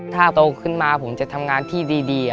ถ้าโตขึ้นมาผมจะทำงานที่ดี